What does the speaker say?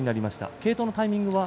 継投のタイミングは？